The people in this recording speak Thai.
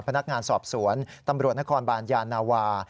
พนักงานสอบสวนตำรวจนครบานยานาวา